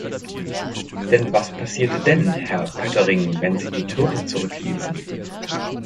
Denn was passierte denn, Herr Poettering, wenn Sie die Türken zurückwiesen?